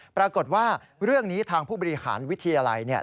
ปรากฏว่าเรื่องนี้ทางผู้บริหารวิทยาลัยเนี่ย